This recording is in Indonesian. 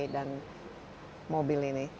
dan mobil ini